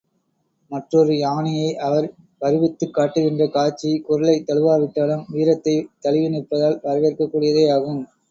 மற்றொரு யானையை அவர் வருவித்துக் காட்டுகின்ற காட்சி குறளைத் தழுவாவிட்டாலும், வீரத்தைத் தழுவி நிற்பதால் வரவேற்கக் கூடியதே யாகும்.